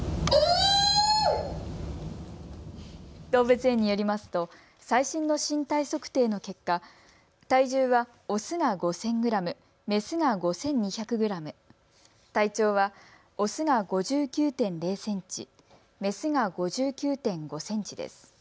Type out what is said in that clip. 動物園によりますと最新の身体測定の結果、体重はオスが５０００グラム、メスが５２００グラム、体長はオスが５９．０センチ、メスが５９．５センチです。